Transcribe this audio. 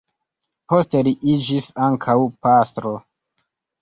Poste li iĝis ankaŭ pastro.